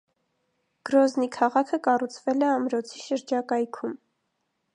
Գրոզնի քաղաքը կառուցվել է ամրոցի շրջակայքում։